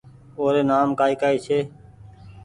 اوري نآم ڪآئي ڪآئي ڇي